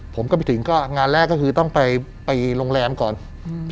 ผมก็ไปถึงก็งานแรกก็คือต้องไปไปโรงแรมก่อนอืม